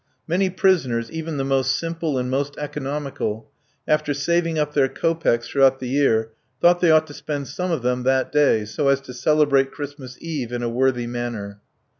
Many prisoners, even the most simple and most economical, after saving up their kopecks throughout the year, thought they ought to spend some of them that day, so as to celebrate Christmas Eve in a worthy manner.